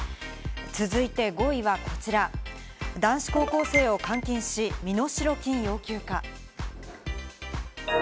続いて５位はこちら、男子高校生を監禁し、身代金要求か？